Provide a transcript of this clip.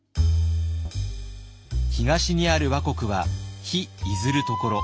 東にある倭国は「日出ずる処」。